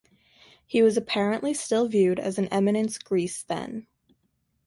He was apparently still viewed as an eminence grise then.